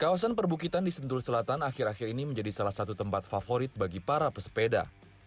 kawasan perbukitan di sentul selatan akhir akhir ini menjadi salah satu tempat favorit bagi para pesepeda